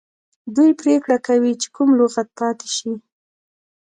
دوی پریکړه کوي چې کوم لغت پاتې شي.